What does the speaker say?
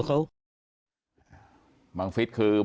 ก็คุณตามมาอยู่กรงกีฬาดครับ